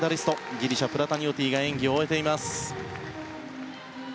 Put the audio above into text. ギリシャ、プラタニオティが演技を終えています。